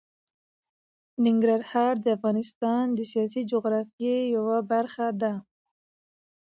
ننګرهار د افغانستان د سیاسي جغرافیه برخه ده.